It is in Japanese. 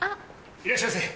いらっしゃいませ。